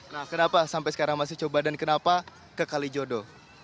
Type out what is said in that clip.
nah kenapa sampai sekarang masih coba dan kenapa ke kalijodo